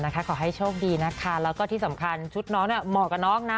ขอให้โชคดีนะคะแล้วก็ที่สำคัญชุดน้องเหมาะกับน้องนะ